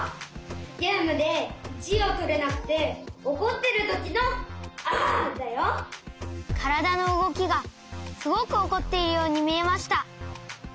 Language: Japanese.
ゲームで１いをとれなくておこってるときの「あ！」だよ。からだのうごきがすごくおこっているようにみえました。